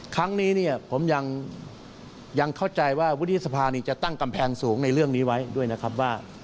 ครั้งนี้เนี่ยผมยังเข้าใจว่าวุฒิสภานี้จะตั้งกำแพงสูงในเรื่องนี้ไว้ด้วยนะครับว่า